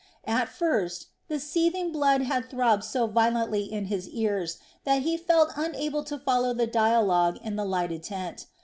At first the seething blood had throbbed so violently in his ears that he felt unable to follow the dialogue in the lighted tent.